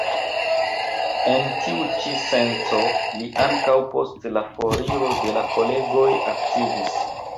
En tiu ĉi senco li ankaŭ post la foriro de la kolegoj aktivis.